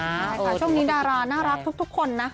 ใช่ค่ะช่วงนี้ดาราน่ารักทุกคนนะ